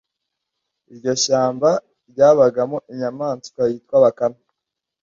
iryo shyamba ryabagamo inyamaswa yitwa bakame,